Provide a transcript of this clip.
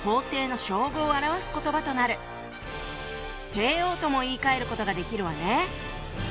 「帝王」とも言いかえることができるわね。